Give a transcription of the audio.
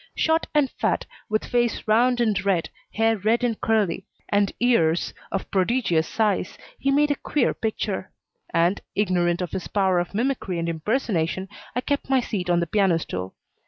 Short and fat, with face round and red, hair red and curly, and ears of a prodigious size, he made a queer picture; and, ignorant of his power of mimicry and impersonation, I kept my seat on the piano stool.